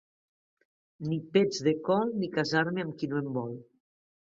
Ni pets de col, ni casar-me amb qui no em vol.